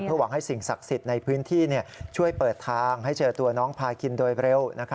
หวังให้สิ่งศักดิ์สิทธิ์ในพื้นที่ช่วยเปิดทางให้เจอตัวน้องพาคินโดยเร็ว